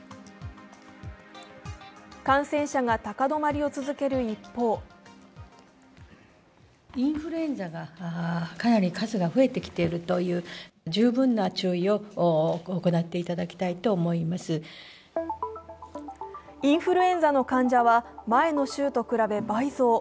感染者が高止まりを続ける一方インフルエンザの患者は前の週と比べ倍増。